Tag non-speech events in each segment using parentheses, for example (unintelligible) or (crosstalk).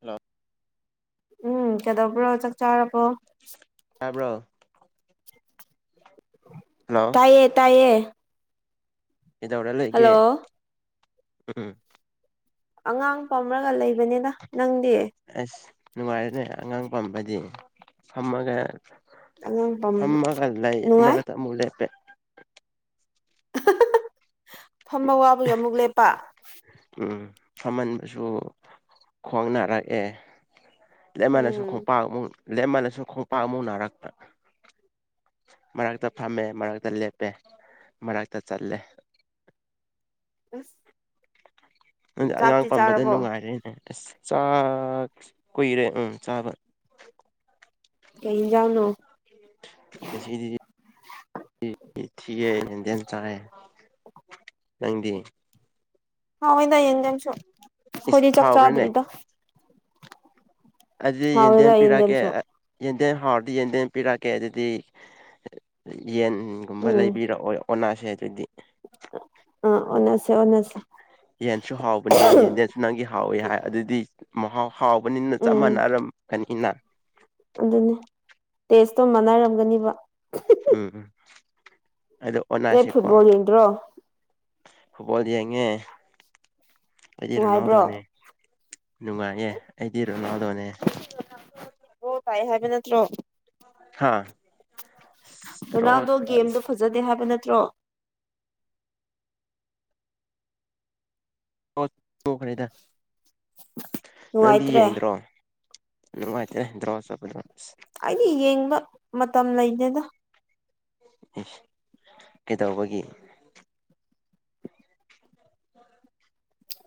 hello ꯎꯝ ꯀꯦꯗꯕ꯭ꯔꯣ ꯆꯥꯛ ꯆꯥꯔꯔꯕꯣ ꯈꯕ꯭ꯔꯣ ꯇꯌꯦ ꯇꯥꯏꯌꯦ ꯀꯩꯗꯧꯔ ꯂꯩꯒꯦ ꯍꯜꯂꯣ ꯎꯝ ꯑꯉꯥꯡ ꯄꯝꯔꯒ ꯂꯩꯕꯅꯤꯅ ꯅꯪꯗꯤ ꯅꯨꯡꯉꯥꯏꯔꯅꯦ ꯑꯉꯥꯡ ꯄꯝꯕꯗꯤ ꯐꯝꯃꯒ ꯑꯉꯥꯡ ꯄꯝ ꯑꯃꯒ ꯂꯩꯏ ꯃ ꯅꯨꯡꯉꯥꯏ ꯃ ꯂꯩꯦ ꯄꯦ ꯐꯝꯕꯋꯥꯕꯒꯤ ꯑꯃꯨꯛ ꯂꯦꯞꯄ ꯐꯝꯍꯟꯕꯁꯨ ꯈꯣꯡꯅꯔꯛꯑꯦ ꯂꯃꯜꯂꯁꯨ ꯎꯝ ꯈꯣꯡꯄꯥꯛꯨ ꯂꯃꯜꯅꯁꯨ ꯈꯣꯡꯄꯥꯛ ꯑꯃꯨꯛ ꯅꯥꯔꯛꯇ ꯃꯔꯛꯇꯥ ꯐꯝꯃꯦ ꯃꯔꯛꯇꯥ ꯂꯦꯞꯄꯦ ꯃꯔꯛꯇ ꯆꯜꯂꯦ (unintelligible) ꯑꯉꯥꯡ ꯆꯥꯛꯇꯤ ꯄꯝꯕꯗ ꯆꯥꯔꯕꯣ ꯅꯨꯡꯉꯥꯏꯔꯦꯅꯦ ꯑꯁ ꯆꯥꯛ ꯀꯨꯏꯔꯦ ꯎꯝ ꯆꯥꯕ ꯀꯩꯖꯎꯅꯣ ꯉꯁꯤꯗꯤꯗꯤ ꯊꯤꯌꯦꯦꯦꯟꯗꯦꯟ ꯆꯥꯏꯦ ꯀꯪꯗꯤ ꯍꯥꯎ ꯍꯣꯏꯗ ꯌꯦꯡꯁꯨ ꯏꯁ ꯑꯩꯣꯏꯗꯤ ꯆꯥꯛ ꯍꯥꯎꯕ꯭ꯔꯅꯦ ꯆꯥꯗꯔꯤꯗ ꯑꯗꯨꯗꯤ ꯍꯥꯎꯋꯦꯗ ꯌꯦꯟꯗꯦꯝꯦꯝ ꯄꯤꯔꯛꯑꯀꯦ ꯌꯦꯟꯗꯦꯝꯁꯨ ꯌꯦꯟꯗꯦꯝ ꯍꯥꯎꯔꯗꯤ ꯌꯦꯟꯗꯦꯝ ꯄꯤꯔꯛꯀꯦ ꯑꯗꯨꯗꯤ ꯌꯦꯟꯒꯨꯝꯕ ꯎꯝ ꯂꯩꯕꯤꯔꯛꯑꯣ ꯑꯣꯁꯦ ꯑꯗꯨꯗꯤ ꯑ ꯑꯣ ꯌꯦꯟꯁꯨ ꯍꯥꯎꯕꯅꯦ ꯌꯦꯟ ꯌꯦꯟꯁꯨ ꯅꯪꯗꯤ ꯍꯥꯎꯋꯤ ꯍꯥꯏ ꯑꯗꯨꯗꯤ ꯃꯍꯥꯎ ꯍꯥꯎꯕꯅꯤꯅ ꯆꯞ ꯎꯝ ꯃꯥꯟꯅꯔꯝꯒꯅꯤꯅ ꯑꯗꯨꯅꯦ ꯇꯦꯁꯇꯣ ꯃꯥꯟꯅꯔꯝꯒꯅꯤꯕ ꯎꯝ ꯎꯃ ꯇꯦ ꯐꯨꯠꯕꯣꯜ ꯌꯦꯟ꯭ꯔꯣ ꯐꯨꯠꯕꯣꯜ ꯌꯦꯡꯉꯦ ꯑꯩꯗꯤ ꯅꯨꯡꯉꯥꯏꯕ꯭ꯔꯣ ꯔꯣꯅꯥꯜꯗꯣꯅꯦ ꯅꯨꯡꯉꯥꯏꯌꯦꯦ ꯑꯩꯗꯤ ꯔꯣꯅꯥꯜꯗꯣꯅꯦ ꯑꯣ ꯇꯥꯏ ꯍꯥꯏꯕ ꯅꯠꯇ꯭ꯔꯣ ꯍꯥꯥ ꯔꯣꯅꯥꯜꯗꯣ ꯒꯦꯝꯗꯣ ꯐꯖꯗꯦ ꯍꯥꯏꯕ ꯅꯠꯇ꯭ꯔꯣ ꯈ꯭ꯔꯦꯗ ꯅꯪꯗꯤ ꯅꯨꯡꯉꯥꯏꯇ꯭ꯔꯦ ꯌꯦꯡꯗ꯭ꯔꯣ ꯅꯨꯡꯉꯥꯏꯇ꯭ꯔꯦ ꯗ꯭ꯔꯣ ꯆꯠꯄꯗꯣ ꯑꯁ ꯑꯩꯗꯤ ꯌꯦꯡꯕ ꯃꯇꯝ ꯂꯩꯅꯤꯗ ꯑꯦ ꯀꯩꯗꯧꯕꯒꯤ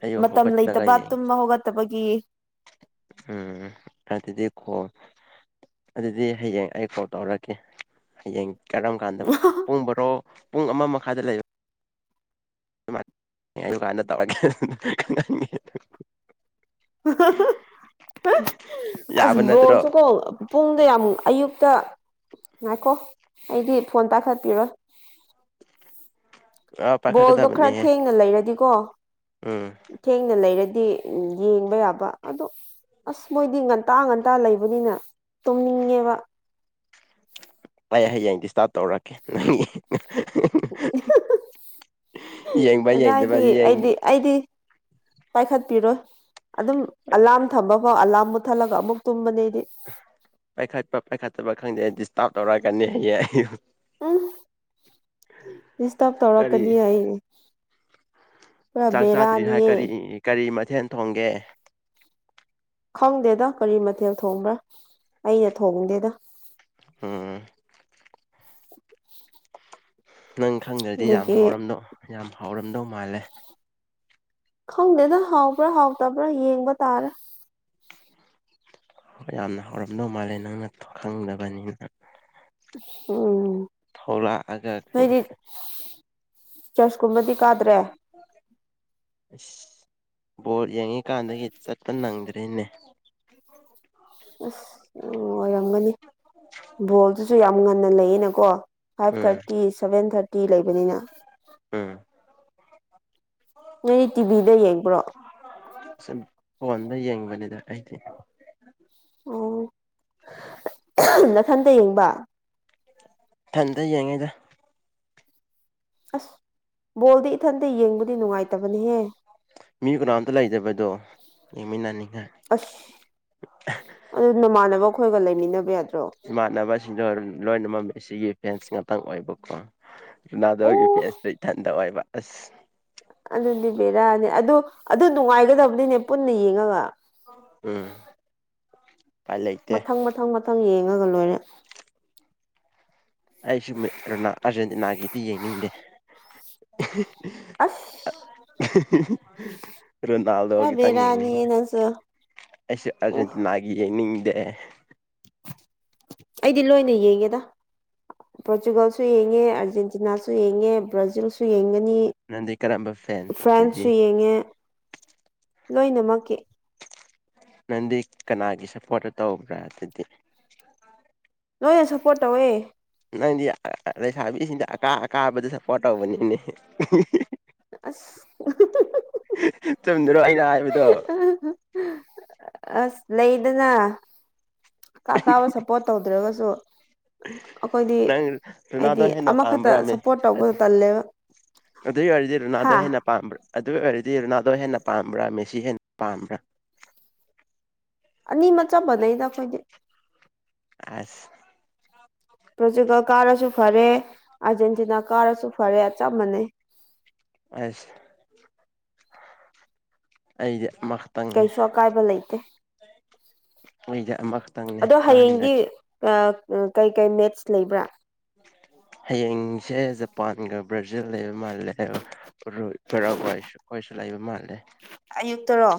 ꯑꯌꯨꯛ ꯃꯇꯝ ꯍꯧꯒꯠꯂꯒ ꯂꯩꯇꯕ ꯌꯦꯡ ꯇꯨꯝꯕ ꯍꯧꯒꯠꯇꯕꯒꯤ ꯗꯤ ꯈꯣ ꯑꯗꯨꯗꯤ ꯍꯌꯦꯡ ꯑꯩ ꯀꯣꯜ ꯇꯧꯔꯛꯀꯦ ꯍꯌꯦꯡ ꯀꯔꯝ ꯀꯥꯟꯗ ꯄꯨꯡ ꯕꯔꯣ ꯄꯨꯡ ꯑꯃ ꯃꯈꯥꯗ ꯂꯩꯕ (unintelligible) (unintelligible) ꯎꯝ ꯑꯁ ꯕꯣꯜꯁꯨꯀꯣ ꯄꯨꯡꯗ ꯌꯥꯝꯨ ꯑꯌꯨꯛ ꯑꯛꯇ ꯉꯥꯏꯈꯣ ꯑꯩꯗꯤ ꯐꯣꯟ ꯇꯥꯈꯠꯄꯤꯔꯣ ꯑ ꯕꯣꯜꯗꯣ ꯈꯔ ꯄꯥꯏꯈꯠꯀꯗꯕꯅꯦꯍꯦ ꯊꯦꯡꯅ ꯂꯩꯔꯗꯤꯀꯣ ꯎꯝ ꯊꯦꯡꯅ ꯂꯩꯔꯗꯤ ꯎꯝ ꯌꯦꯡꯕ ꯌꯥꯕ ꯑꯗꯣ ꯑꯁ ꯃꯣꯏꯗꯤ ꯉꯟꯇꯥ ꯉꯟꯇꯥ ꯂꯩꯕꯅꯤꯅ ꯇꯣꯡꯅꯤꯡꯉꯦꯕ ꯑꯩ ꯍꯌꯦꯡ ꯗꯤꯁꯇꯥꯔꯕ ꯇꯧꯔꯛꯀꯦ ꯅꯪꯒꯤ ꯌꯦꯡꯕ ꯌꯦꯡꯗꯕ ꯀꯗꯥꯏꯗꯤ ꯌꯦꯡ ꯑꯩꯗꯤ ꯑꯩꯗꯤ ꯄꯥꯏꯈꯠꯄꯤꯔꯣꯏ ꯑꯗꯨꯝ ꯑꯂꯥꯔꯝ ꯊꯝꯕ ꯐꯥꯎ ꯑꯂꯥꯔꯝ ꯃꯨꯠꯊꯠꯂꯒ ꯑꯃꯨꯛ ꯇꯨꯝꯕꯅꯤ ꯄꯥꯏꯈꯠꯄ ꯄꯥꯏꯈꯠꯇꯕ ꯈꯪꯗꯦ ꯗꯤꯁꯇꯥꯔꯕ ꯇꯧꯔꯛꯑꯀꯅꯤ ꯍꯌꯦ ꯑꯩ ꯎꯝ ꯁꯇꯞ ꯀꯔꯤ ꯇꯧꯔꯛꯀꯅꯤ ꯑꯩ ꯄꯨꯔꯥ ꯆꯥꯛ ꯆꯥꯗ꯭ꯔꯤ ꯍꯥꯏ ꯕꯦꯔꯥꯅꯤꯍꯦ ꯀꯔꯤ ꯀꯔꯤ ꯃꯊꯦꯜ ꯊꯣꯡꯒꯦ ꯈꯪꯗꯦꯗ ꯀꯔꯤ ꯃꯊꯦꯜ ꯊꯣꯡꯕ꯭ꯔꯥ ꯑꯩꯅ ꯊꯣꯡꯗꯦꯗ ꯎꯝ ꯅꯪ ꯈꯪꯗ꯭ꯔꯗꯤ ꯌꯥꯝ ꯑꯗꯨꯒꯤ ꯍꯥꯎꯔꯝꯗꯧ ꯌꯥꯝ ꯍꯥꯎꯔꯝꯗꯧ ꯃꯥꯜꯂꯦ ꯈꯪꯗꯦꯗ ꯍꯥꯎꯕ꯭ꯔꯥ ꯍꯥꯎꯇꯕ꯭ꯔꯥ ꯌꯦꯡꯕ ꯇꯥꯔꯦ ꯌꯥꯝꯅ ꯍꯧꯔꯝꯗꯧ ꯃꯥꯜꯂꯦ ꯅꯪꯅ ꯈꯪꯗꯕꯅꯤꯅ ꯎꯝ ꯊꯣꯛꯂꯛꯑꯒ ꯀꯩ ꯐꯗꯤ ꯆꯁ ꯀꯨꯝꯕꯗꯤ ꯀꯥꯗ꯭ꯔꯦ ꯑꯁ ꯕꯣꯔꯠ ꯌꯦꯡꯉꯤꯀꯥꯟꯗꯒꯤ ꯆꯠꯄ ꯅꯪꯗ꯭ꯔꯔꯤꯅꯦ ꯑꯁ ꯑꯣꯏꯔꯝꯒꯅꯤ ꯕꯣꯜꯗꯨꯁꯨ ꯌꯥꯝ ꯉꯟꯅ ꯂꯩꯌꯦꯅꯀꯣ five um thirty seven thirty ꯂꯩꯕꯅꯤꯅ ꯎꯝ ꯅꯣꯏꯗꯤ ꯇꯤꯚꯤꯗ ꯌꯦꯡꯕ꯭ꯔꯣ ꯋꯥꯗ ꯌꯦꯡꯕꯅꯤꯗ ꯑꯥꯏꯗꯤ ꯑꯣ ꯅꯈꯟꯇ ꯌꯦꯡꯕ ꯊꯟꯗ ꯌꯦꯡꯉꯩꯗ ꯑꯁ ꯕꯣꯜꯗꯤ ꯏꯊꯟꯇ ꯌꯦꯡꯕꯗꯤ ꯅꯨꯡꯉꯥꯏꯇꯕꯅꯤꯍꯦ ꯃꯤ ꯀꯅꯥꯣꯝꯇ ꯂꯩꯖꯕꯗꯣ ꯌꯦꯡꯃꯤꯟꯅꯅꯤꯡꯉꯥꯏ ꯑꯁ ꯑꯗꯨ ꯑꯩꯈꯣꯏꯒ ꯂꯩꯃꯤꯟꯅꯕ ꯌꯥꯗꯦ ꯏꯃꯥꯟꯅꯕꯁꯤꯡꯗꯣ ꯂꯣꯏꯅꯃꯛꯝꯃꯦ ꯁꯤꯒꯤ ꯐꯦꯟꯁ ꯉꯥꯛꯇꯪ ꯑꯣꯏꯕꯀꯣ ꯑꯣ ꯔꯣꯅꯥꯗꯣꯒꯤ ꯄꯦꯟꯁꯇ ꯏ ꯊꯟꯊꯋꯥꯏꯕ ꯑꯁ ꯑꯗꯨꯅꯦ ꯕꯦꯔꯥꯅꯤ ꯑꯗꯨ ꯑꯗꯨ ꯅꯨꯡꯉꯥꯏꯒꯗꯕ ꯑꯗꯨꯏꯅꯦ ꯄꯨꯟꯅ ꯌꯦꯡꯉꯒ ꯎꯝ ꯎꯄꯥꯏ ꯂꯩꯇꯦ ꯃꯊꯪ ꯃꯊꯪ ꯃꯊꯪ ꯌꯦꯡꯉꯒ ꯂꯣꯏꯔꯦ ꯑꯩꯁꯨꯣꯅꯥ ꯑꯥꯔꯖꯦꯟꯇꯤꯅꯥꯒꯤꯗꯤ ꯌꯦꯡꯅꯤꯡꯗꯦ ꯑꯁ (unintelligible) ꯔꯣꯅꯥꯜꯗꯣ ꯈꯔ ꯈꯤꯇꯪ ꯕꯦꯔꯥꯅꯤꯌꯦ ꯌꯦꯡꯅꯤꯡꯉ ꯅꯪꯁꯨ ꯑꯩꯁꯦ ꯎ ꯑꯥꯔꯖꯦꯟꯇꯤꯅꯥꯒꯤ ꯌꯦꯡꯅꯤꯡ ꯑꯦꯦ ꯑꯩꯗꯤ ꯂꯣꯏꯅ ꯌꯦꯡꯉꯦꯗ ꯄꯣꯔꯆꯨꯒꯜꯁꯨ ꯌꯦꯡꯉꯦ ꯑꯔꯖꯦꯟꯇꯤꯅꯥꯁꯨ ꯌꯦꯡꯉꯦ ꯕ꯭ꯔꯥꯖꯤꯜꯁꯨ ꯌꯦꯡꯉꯦ ꯅꯪꯗꯤ ꯀꯔꯝꯕ ꯐꯦꯟ ꯑꯗꯨꯗꯤ ꯐ꯭ꯔꯦꯟꯁꯨ ꯌꯦꯡꯉꯦ ꯂꯣꯏꯅꯃꯛꯀꯤ ꯅꯪꯗꯤ ꯀꯅꯥꯒꯤ ꯁꯞꯄꯣꯔꯠꯇ ꯇꯧꯕ꯭ꯔꯥ ꯑꯗꯨꯗꯤ ꯂꯣꯏꯅ ꯁꯞꯄꯣꯔꯠ ꯇꯧꯋꯦ ꯅꯪꯗꯤ ꯂꯩꯁꯥꯕꯤꯁꯤꯡꯗ ꯑꯀꯥ ꯑꯀꯥꯕꯗ ꯁꯞꯄꯣꯔꯠ ꯇꯧꯕꯅꯤꯅꯦ ꯑꯁ ꯇꯟꯗꯔ‍‍ꯥ ꯑꯩ ꯑꯁ ꯂꯩꯗꯅ ꯀꯥ ꯀꯥꯕ ꯁꯞꯄꯣꯔꯠ ꯇꯧꯗ꯭ꯔꯒꯁꯨ ꯑꯩꯈꯣꯏꯗꯤ ꯅꯪ ꯔꯣꯅꯥꯜꯗꯣ ꯍꯥꯏꯗꯤ ꯍꯦꯟꯅ ꯑꯃꯈꯛꯇ ꯁꯞꯄꯣꯔꯠ ꯇꯧꯕꯗ ꯇꯜꯂꯦꯕ ꯑꯗꯨꯏ ꯑꯣꯏꯔꯗꯤ ꯔꯨꯅꯥꯗꯣ ꯍꯥ ꯍꯦꯟꯅ ꯄꯥꯝꯕ꯭ꯔꯥ ꯑꯗꯨ ꯑꯣꯏ ꯑꯣꯏꯔꯗꯤ ꯔꯣꯅꯥꯜꯗꯣ ꯍꯦꯟꯅ ꯄꯥꯝꯕ꯭ꯔꯥ ꯃꯦꯁꯤ ꯍꯦꯟꯅ ꯄꯥꯝꯕ꯭ꯔꯥ ꯑꯅꯤꯃ ꯆꯥꯄꯗꯩꯗ ꯑꯩꯈꯣꯏꯗꯤ ꯑꯁ ꯄ꯭ꯔꯣꯔꯆꯨꯒꯜ ꯀꯥꯔꯁꯨ ꯐꯔꯦ ꯑꯥꯔꯖꯦꯟꯇꯤꯅꯥ ꯀꯥꯔꯁꯨ ꯐꯔꯦ ꯑꯆꯝꯕꯅꯩ ꯑꯁꯦ ꯑꯩꯗ ꯀꯩꯁꯨ ꯑꯀꯥꯏꯕ ꯂꯩꯇꯦ ꯂꯩꯖꯥꯛ ꯃꯈꯇꯪꯅꯦ ꯑꯗꯣ ꯀꯅꯦ ꯍꯌꯦꯡꯗꯤ ꯀꯩꯀꯩ ꯃꯦꯠꯁ ꯂꯩꯕ꯭ꯔꯥ ꯍꯌꯦꯡꯁꯦ ꯖꯄꯥꯟꯒ ꯕ꯭ꯔꯥꯖꯤꯜ ꯂꯩꯕ ꯃꯥ ꯁꯨ ꯂꯩꯕ ꯃꯥꯜꯂꯦ ꯑꯌꯨꯛꯇꯔꯣ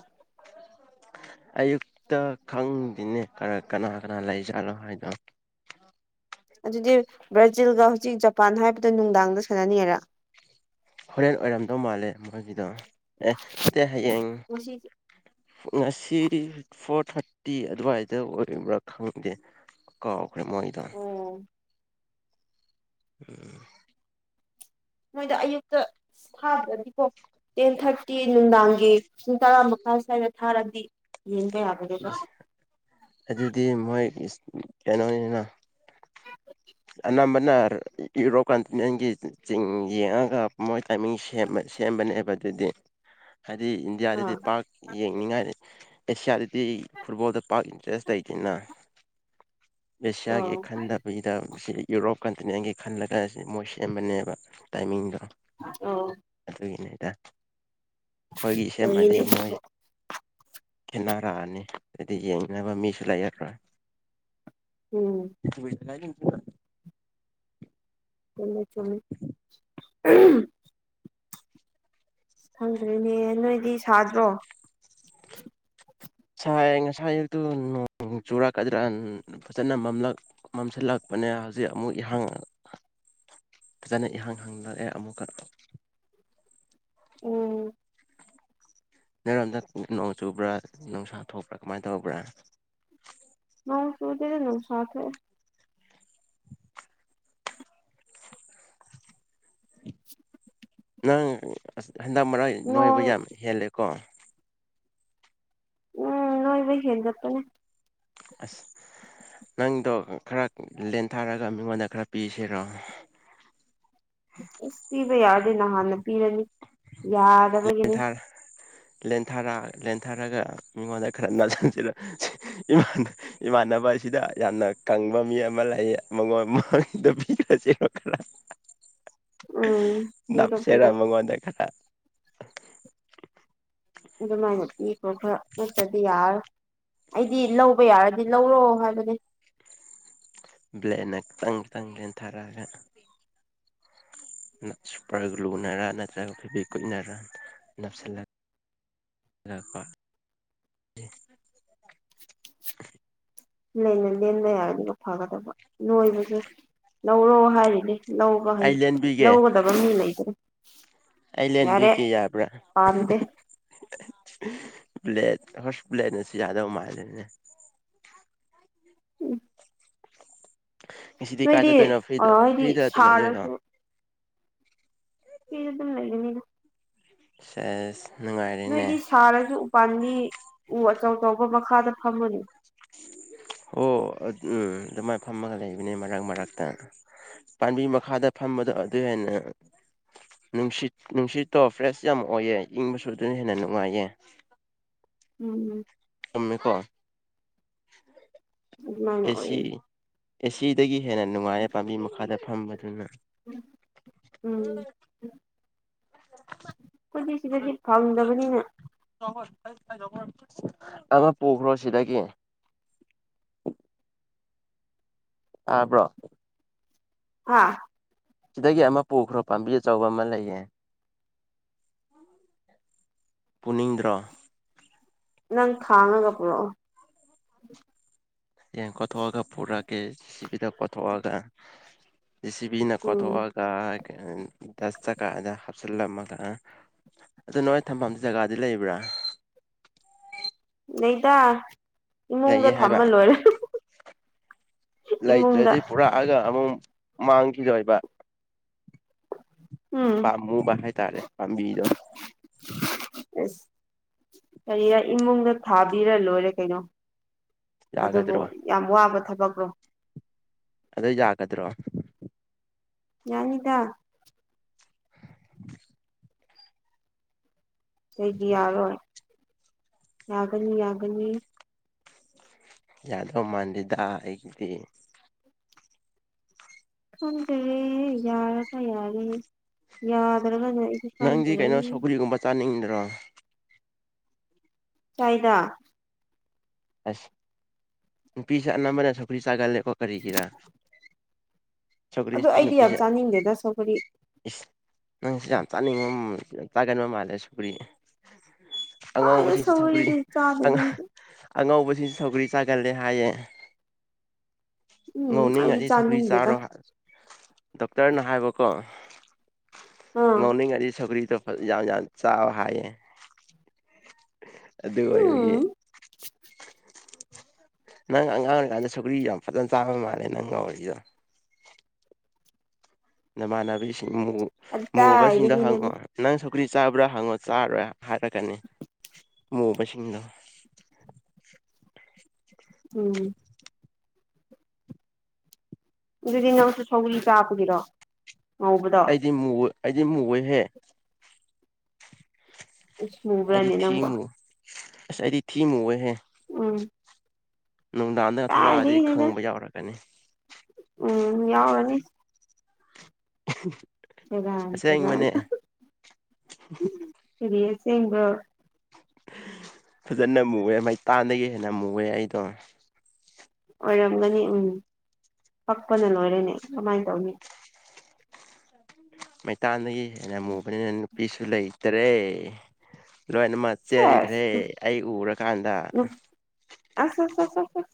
ꯑꯌꯨꯛꯇ ꯈꯪꯗꯦꯅꯦ ꯀꯅꯥ ꯀꯅꯥ ꯂꯩꯖꯥꯠꯅꯣ ꯍꯥꯏꯗꯣ ꯑꯗꯨꯗꯤ ꯕ꯭ꯔꯥꯖꯤꯜꯒ ꯍꯧꯖꯤꯛ ꯖꯄꯥꯟ ꯍꯥꯏꯕꯗꯣ ꯅꯨꯡꯗꯥꯡꯗ ꯁꯥꯟꯅꯅꯤꯉꯥꯏꯔꯥ ꯍꯣꯔꯦꯟ ꯑꯣꯏꯔꯝꯗꯧ ꯃꯥꯜꯂꯦ ꯃꯣꯏꯒꯤꯗꯣ ꯑꯦ ꯅꯠꯇꯦ ꯍꯌꯦꯡ ꯉꯁꯤ ꯉꯁꯤꯗꯤ ꯐꯣꯔ ꯊꯥꯔꯇꯤ ꯑꯗꯨꯋꯥꯏꯗ ꯑꯣꯏꯔꯤꯕ꯭ꯔꯥ ꯈꯪꯗꯦ ꯀꯥꯎ ꯃꯣꯏꯗ ꯑꯣ ꯎꯝ ꯃꯣꯏꯗ ꯑꯌꯨꯛꯇ ꯊꯥꯗ꯭ꯔꯗꯤꯀꯣ ꯇꯦꯟ ꯊꯥꯔꯇꯤ ꯅꯨꯡꯗꯥꯡꯒꯤ ꯄꯨꯡ ꯇꯔꯥ ꯃꯈꯥꯏ ꯁ꯭ꯋꯥꯏꯗ ꯊꯥꯔꯗꯤ ꯌꯦꯡꯕ ꯌꯥꯕꯅꯦꯕ ꯑꯗꯨꯗꯤ ꯃꯣꯏꯒꯤ ꯀꯩꯅꯣꯅꯤꯅ ꯅ ꯌꯨꯔꯣꯞ ꯀꯟꯇꯤꯅꯦꯟꯒꯤ ꯆꯤꯡ ꯌꯦꯡꯉꯒ ꯃꯣꯏ ꯇꯥꯏꯃꯤꯡ ꯁꯦꯝꯕ ꯁꯦꯝꯕꯅꯦꯕ ꯑꯗꯨꯗꯤ ꯍꯥꯏꯗꯤ ꯏꯟꯗꯤꯌꯥꯗꯗꯤ ꯑꯥ ꯄꯥꯛ ꯌꯦꯡꯅꯤꯡꯉꯥꯏ ꯑꯦꯁꯤꯌꯥꯗꯗꯤ ꯐꯨꯠꯕꯣꯜꯗ ꯄꯥꯛ ꯇꯦꯁ ꯂꯩꯇꯅ ꯑꯦꯁꯤꯌꯥꯒꯤ ꯑꯥ ꯈꯟꯗꯕ ꯁꯤ ꯌꯨꯔꯣꯞ ꯀꯟꯇꯤꯅꯦꯟꯒꯤ ꯈꯜꯂꯒꯥꯟ ꯁꯤ ꯃꯣꯏ ꯁꯦꯝꯕꯅꯦꯕ ꯇꯥꯏꯃꯤꯡꯗꯣ ꯑꯣ ꯀꯒꯤꯗ ꯑꯩꯈꯣꯏꯒꯤ ꯁꯦꯝꯃꯗꯤ ꯑꯣꯏꯌꯦꯅꯦ ꯃꯣꯏ ꯑꯗꯨꯁꯨ ꯈꯦꯠꯅꯔꯛꯑꯅꯤ ꯑꯗꯨꯗꯤ ꯌꯦꯡꯅꯕ ꯃꯤꯁꯨ ꯂꯩꯔꯔꯣꯏ ꯎꯝ ꯒ (unintelligible) ꯆꯨꯝꯃꯤ ꯆꯃꯤ ꯈꯪꯗ꯭ꯔꯤꯅꯦ ꯅꯣꯏꯗꯤ ꯁꯥꯗ꯭ꯔꯣ ꯁꯥꯏ ꯉꯁꯥꯏ ꯑꯌꯨꯛꯇꯨ ꯅꯣꯡ ꯆꯨꯔꯛꯀꯗ꯭ꯔꯥ ꯐꯖꯅꯂ ꯃꯝꯁꯤꯜꯂꯛ ꯆꯠꯄꯅꯦ ꯍꯧꯖꯤꯛ ꯑꯃꯨꯛ ꯏꯍꯥꯡ ꯐꯖꯅ ꯏꯍꯥꯡ ꯍꯥꯡꯗ ꯑꯦ ꯑꯃꯨꯛ ꯎꯝ ꯅꯣꯏꯔꯣꯝꯗ ꯅꯣꯡ ꯆꯨꯕ꯭ꯔꯥ ꯅꯨꯡꯁꯥ ꯊꯣꯛꯄ꯭ꯔꯥ ꯀꯃꯥꯏꯅ ꯇꯧꯕ꯭ꯔꯥ ꯅꯣꯡ ꯆꯨꯗꯦꯗ ꯅꯨꯡꯁꯥ ꯊꯣꯑꯦ ꯅꯪ ꯍꯟꯗꯛ ꯃꯔꯛ ꯅꯣꯏꯕ ꯅꯣꯡ ꯌꯥꯝ ꯍꯦꯜꯂꯦꯀꯣ ꯎꯝ ꯅꯣꯏꯕ ꯍꯦꯟꯒꯠꯄꯅꯦ ꯑꯁ ꯅꯪꯗꯣ ꯈꯔ ꯂꯦꯟꯊꯥꯔꯒ ꯃꯤꯉꯣꯟꯗ ꯈꯔ ꯄꯤꯁꯦꯔꯣ ꯑꯁ ꯄꯤꯕ ꯌꯥꯔꯗꯤ ꯅꯍꯥꯟꯅ ꯄꯤꯔꯅꯤ ꯌꯥꯗꯕꯒꯤꯅꯦ ꯂꯦꯟꯊꯔꯒ ꯃꯤꯉꯣꯟꯗ ꯈꯔ ꯅꯜꯁꯤꯟꯁꯤꯔꯣ ꯏꯃꯥꯟꯅꯕ ꯁꯤꯗ ꯌꯥꯝꯅ ꯀꯪꯕ ꯃꯤ ꯑꯃ ꯂꯩ ꯃꯉꯣꯟ ꯄꯤꯒ꯭ꯔꯖꯤꯔꯣ ꯈꯔ ꯎꯝ ꯄꯤꯔꯣ ꯅꯞꯁꯦꯔꯥ ꯄꯤꯔꯣ ꯃꯉꯣꯟꯗ ꯈꯔ ꯑꯗꯨꯃꯥꯏꯅ ꯄꯤꯈꯣ ꯈꯔ ꯅꯠꯇ꯭ꯔꯗꯤ ꯌꯥꯔꯔꯣꯢ ꯑꯩꯗꯤ ꯂꯧꯕ ꯌꯥꯔꯗꯤ ꯂꯧꯔꯣ ꯍꯥꯏꯕꯅꯦ ꯕ꯭ꯂꯦꯠꯅ ꯈꯤꯇꯪ ꯈꯤꯇꯪ ꯂꯦꯟꯊꯔꯛꯑꯒ ꯁꯨꯄꯔ ꯒ꯭ꯂꯨꯅꯔꯥ ꯅꯠꯇ꯭ꯔꯒ ꯐꯤꯕꯤ ꯀꯨꯏꯅꯔ ꯅꯞꯁꯤꯜꯂꯒ ꯑꯗꯨꯒꯀꯣ (inaudible) ꯂꯩꯅ ꯂꯦꯟꯕ ꯌꯥꯒꯅꯤꯒ ꯐꯒꯗꯕ ꯅꯣꯏꯕꯁꯨ ꯂꯧꯔꯣ ꯍꯥꯏꯔꯤꯅꯦ ꯂꯧꯕ ꯍꯩ ꯑꯩ ꯂꯦꯟꯕꯤꯒꯦ ꯂꯧꯒꯗꯕ ꯃꯤ ꯂꯩꯇ꯭ꯔꯦ ꯑꯩ ꯌꯥꯔꯦ ꯂꯦꯟꯕꯤꯒꯦ ꯌꯥꯕ꯭ꯔꯥ ꯄꯥꯝꯗꯦ ꯕ꯭ꯂꯦꯠ ꯍꯣꯏ ꯕ꯭ꯂꯦꯠꯅꯁꯨ ꯌꯥꯥꯗꯧ ꯃꯥꯂꯦꯅꯦ ꯎꯝ ꯉꯁꯤꯗꯤ ꯀꯥꯏ ꯅꯣꯏꯗꯤ ꯆꯠꯇꯣꯏꯅꯣ ꯐ꯭ꯔꯤꯗ ꯑ ꯍꯥꯏꯗꯤ ꯐ꯭ꯔꯤꯗ ꯑꯗꯨꯝ ꯍꯥꯏꯗꯣꯏꯔꯣ ꯁꯥꯔꯁꯨ ꯐ꯭ꯔꯤꯗ ꯑꯗꯨꯝ ꯂꯩꯒꯅꯤꯗ ꯁꯦꯁ ꯅꯨꯡꯉꯥꯏꯔꯦꯅꯦ ꯅꯣꯏꯗꯤ ꯁꯥꯔꯁꯨ ꯎꯄꯥꯥꯟꯒꯤ ꯎ ꯑꯆꯧ ꯆꯧꯕ ꯃꯈꯥꯗ ꯐꯝꯃꯅꯤ (inaudible) ꯑꯣ ꯎꯝ ꯑꯗꯨꯃꯥꯏꯅ ꯐꯝꯃꯒ ꯂꯩꯕꯅꯦ ꯃꯔꯛ ꯃꯔꯛꯇ ꯄꯥꯝꯕꯤ ꯃꯈꯥꯗ ꯑꯝꯕꯗ ꯑꯗꯨꯅ ꯅꯨꯡꯁꯤꯠ ꯅꯨꯡꯁꯤꯠꯇꯣ ꯐ꯭ꯔꯦꯁ ꯌꯥꯝ ꯑꯣꯏꯌꯦ ꯏꯪꯕꯁꯨ ꯑꯗꯨꯅ ꯍꯦꯟꯅ ꯅꯨꯡꯉꯥꯏꯌꯦ ꯎꯝ ꯎꯝ ꯀꯨꯝꯃꯦ ꯀꯣ ꯃꯥ ꯑꯣꯏ ꯑꯦꯁꯤꯗꯒꯤ ꯍꯦꯟꯅ ꯅꯨꯡꯉꯥꯏꯔ ꯄꯥꯝꯕꯤ ꯃꯈꯥꯗ ꯐꯝꯕꯗꯨꯅ ꯎꯝ ꯑꯩꯈꯣꯏꯒꯤ ꯁꯤꯗꯗꯤ ꯐꯪꯗꯕꯅꯤꯅ ꯑꯃꯥ ꯄꯨꯈ꯭ꯔꯣ ꯁꯤꯗꯗꯒꯤ ꯑꯥꯕ꯭ꯔꯣ ꯍꯥꯥ ꯁꯤꯗꯒꯤ ꯑꯃ ꯄꯨꯈ꯭ꯔꯣ ꯄꯥꯝꯕꯤ ꯑꯆꯧꯕ ꯑꯃ ꯂꯩꯌꯦ ꯄꯨꯅꯤꯡꯗ꯭ꯔꯣ ꯅꯪ ꯊꯥꯡꯉꯒꯥ ꯄꯨꯔꯣ ꯍꯌꯦꯡ ꯀꯣꯊꯣꯛꯑꯒ ꯄꯨꯔꯛꯀꯦ ꯁꯤꯕꯤꯗ ꯀꯣꯊꯣꯛꯑꯒ ꯖ‌ꯦ ꯁꯤ ꯕꯤꯅ ꯎꯝ ꯀꯣꯊꯣꯛꯑꯒ ꯗꯁꯇꯀꯗ ꯍꯥꯞꯆꯤꯜꯂꯝꯃꯒ ꯑꯗꯨ ꯅꯣꯏ ꯊꯝꯕꯝ ꯖꯒꯥꯗꯤ ꯂꯩꯕ꯭ꯔꯥ (inaudible) ꯅꯗꯥ ꯏꯃꯨꯡꯗ ꯂꯩꯌꯦ ꯍꯥꯏꯕ ꯊꯝꯃ ꯂꯣꯏꯔꯦ ꯏꯃꯨꯡꯗ ꯂꯩꯇ꯭ꯔꯗꯤ ꯄꯨꯔꯛꯑꯒ ꯑꯃꯨꯛ ꯃꯥꯡꯈꯤꯗꯣꯏꯕ ꯎꯝ ꯄꯥꯝꯃꯨꯕ ꯍꯥꯏꯇꯥꯔꯦ ꯄꯥꯝꯕꯤꯗꯣ ꯑꯁ ꯀꯔꯤꯔ ꯏꯃꯨꯡꯗ ꯊꯥꯕꯤꯔ ꯂꯣꯏꯔꯦ ꯀꯩꯅꯣ ꯑꯗꯨꯕꯨ ꯌꯥꯒꯗ꯭ꯔꯣ ꯌꯥꯝ ꯋꯥꯕ ꯊꯕꯛ꯭ꯔꯣ ꯑꯗꯨ ꯌꯥꯒꯗ꯭ꯔꯣ ꯌꯥꯅꯤꯗ ꯀꯩꯗꯤ ꯌꯥꯔꯣꯏ ꯌꯥꯒꯅꯤ ꯌꯥꯒꯅꯤ ꯌꯥꯗꯧ ꯃꯥꯟꯟꯗꯦꯗ ꯑꯩꯒꯤꯗꯤ ꯈꯪꯗꯔꯦ ꯌꯥꯔꯒ ꯌꯥꯔꯦ ꯌꯥꯗ꯭ꯔꯒꯅꯥ ꯅꯪꯗꯤ ꯀꯩꯅꯣ ꯁꯧꯒꯨꯔꯤꯒꯨꯝꯕ ꯆꯥꯅꯤꯡꯗ꯭ꯔꯣ ꯇꯥꯏꯗꯥ ꯑꯁ ꯅꯨꯄꯤꯁꯦ ꯑꯅꯝꯕꯅ ꯁꯨꯈ꯭ꯔꯤ ꯁꯥꯥꯒꯜꯂꯦꯗ ꯀꯔꯤꯒꯤꯔꯥ ꯑꯗꯣ ꯁꯧꯒ꯭ꯔꯤꯁꯤ ꯑꯩꯗꯤ ꯌꯥꯝ ꯆꯥꯅꯤꯡꯗꯦꯗ ꯁꯧꯒꯔꯤ ꯅꯪ ꯁꯤ ꯌꯥꯝ ꯆꯥꯅꯤꯡꯕ ꯌꯥꯝ ꯆꯥꯒꯟꯕ ꯃꯥꯜꯂꯦ ꯁꯨꯀ꯭ꯔꯤ ꯀꯥꯏꯗꯩ ꯑꯉꯥꯎꯕꯁꯤꯡꯁꯤ ꯁꯧꯒꯔꯤ ꯁꯧꯒꯔꯤꯗꯤ ꯆꯥꯗꯦꯗ ꯑꯉꯥ ꯑꯩꯗꯤ ꯑꯉꯧꯕꯁꯤꯡ ꯁꯧꯒꯔꯤ ꯆꯥꯒꯜꯂꯦ ꯍꯥꯏꯌꯦ ꯎꯝ ꯑꯩꯗꯤ ꯉꯧꯅꯤꯡꯉꯗꯤ ꯁꯧꯒꯔꯤ ꯆꯥꯅꯤꯡꯗꯦꯗ ꯆꯥꯔꯣ ꯗꯣꯛꯇꯔꯅ ꯍꯥꯏꯕꯀꯣ ꯑꯥ ꯉꯧꯅꯤꯡꯉꯗꯤ ꯁꯧꯒ꯭ꯔꯤꯗꯣ ꯌꯥꯝ ꯌꯥꯝ ꯆꯥ ꯍꯥꯏꯌꯦ ꯑꯗꯨ ꯑꯣꯏꯕꯒꯤ ꯎꯝ ꯅꯪ ꯑꯉꯥꯡ ꯑꯣꯏꯔꯤꯀꯥꯟꯗ ꯁꯨꯀ꯭ꯔꯤ ꯌꯥꯝ ꯐꯖꯅ ꯆꯥꯕ ꯃꯥꯜꯂꯦ ꯅꯪ ꯉꯧꯔꯤꯗꯣ ꯅꯃꯥꯟꯅꯕꯤꯁꯤꯡ ꯃꯨꯕꯁꯤꯡꯗꯣ ꯍꯪꯉꯣ ꯀꯗꯥꯏꯗꯒꯤꯅꯣꯗ ꯅꯪ ꯁꯧ ꯒꯔꯤ ꯆꯥꯕ꯭ꯔꯥ ꯍꯪꯉꯣ ꯆꯥꯔꯣꯏ ꯍꯥꯏꯔꯛꯀꯅꯤ ꯃꯣꯕꯥꯁꯤꯡꯗꯣ ꯎꯝ ꯑꯗꯨꯗꯤ ꯅꯁꯨ ꯁꯒꯜ ꯆꯥꯕꯒꯤꯔꯣ ꯉꯧꯕꯗꯣ ꯑꯩꯗꯤ ꯃꯨꯣꯏ ꯃꯨꯌꯦꯍꯦ ꯎꯁ ꯃꯨꯕ꯭ꯔꯅꯤ ꯅꯪꯕ ꯑꯁ ꯑꯩꯗꯤ ꯊꯤ ꯃꯨꯌꯦꯍꯦ ꯎꯝ ꯅꯨꯡꯗꯥꯡꯗ ꯊꯣꯛꯂꯛꯑꯗꯤ ꯀꯥꯏꯗꯩꯅꯣꯗ ꯈꯪꯕ ꯌꯥꯎꯔꯛꯀꯅꯤ ꯎꯝ ꯌꯥꯎꯔꯅꯤ (unintelligible) ꯀꯔꯤ ꯑꯁꯦꯡꯕꯅꯦ ꯑꯁꯦꯡꯕꯔꯣ (unintelligible) ꯐꯖꯅ ꯃꯨꯑꯦ ꯃꯩ ꯇꯥꯟꯗꯒꯤ ꯍꯦꯟꯅ ꯃꯨꯑꯦ ꯑꯩꯗꯣ ꯑꯣꯏꯔꯝꯒꯅꯤ ꯎꯝ ꯄꯛꯄꯅ ꯂꯣꯏꯔꯅꯤ ꯀꯃꯥꯏꯅ ꯇꯧꯅꯤ ꯃꯩꯇꯥꯟꯗꯒꯤ ꯍꯦꯟꯅ ꯃꯨꯕꯅꯤꯅ ꯅꯨꯄꯤꯁꯨ ꯂꯩꯇꯔꯦ ꯂꯣꯏꯅꯃꯛ ꯆꯦꯟꯈ꯭ꯔꯦ ꯁꯦꯁ ꯑꯩ ꯎꯔꯀꯥꯟꯗ ꯑꯣ